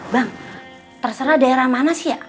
bang terserah daerah mana sih